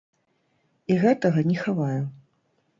І гэтага не хаваю.